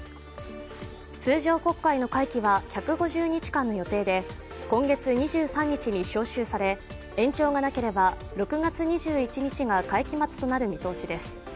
通常国会の会期は１５０日間の予定で今月２３日に召集され、延長がなければ６月２１日が会期末となる見通しです。